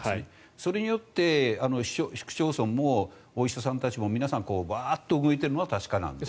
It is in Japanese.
それによって市区町村もお医者さんたちも、皆さん上を向いているのは確かなんです。